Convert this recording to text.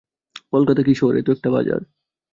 কলকাতা কি শহর, এ তো একটা বাজার!